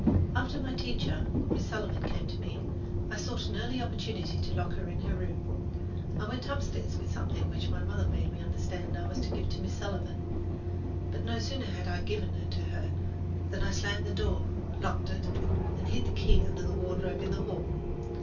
After my teacher, Miss Sullivan, came to me, I sought an early opportunity to lock her in her room. I went upstairs with something which my mother made me understand I was to give to Miss Sullivan; but no sooner had I given it to her than I slammed the door to, locked it, and hid the key under the wardrobe in the hall.